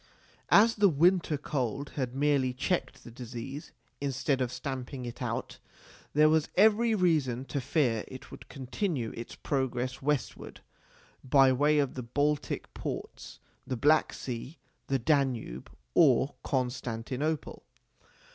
As the winter cold had merely checked the disease, instead of stamping it out, there was every reason to fear it would continue its progress westward, by way of the Baltic ports, the Black Sea, the Danube, or Constantinople.